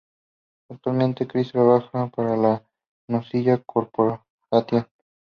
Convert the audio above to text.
Actualmente Chris trabaja para la Mozilla Corporation.